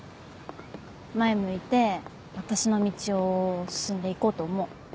前向いて私の道を進んでいこうと思う。